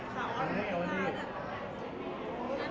เพลงพี่หวาย